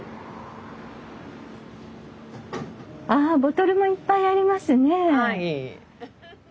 あボトルもいっぱいありますね。